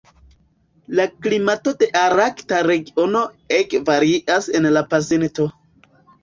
La klimato de Arkta regiono ege variis en la pasinto.